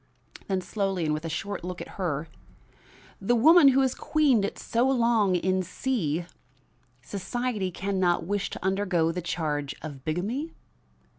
Then slowly and with a short look at her: "The woman who has queened it so long in C society can not wish to undergo the charge of bigamy?"